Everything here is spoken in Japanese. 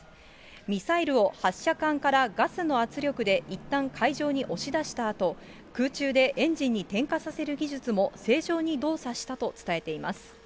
ミサイルを発射管からガスの圧力でいったん海上に押し出したあと、空中でエンジンに点火させる技術も正常に動作したと伝えています。